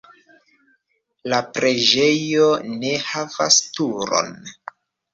La preĝejo ne havas turon.